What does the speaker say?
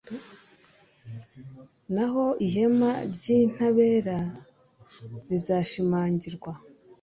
naho ihema ry'intabera rizashimangirwa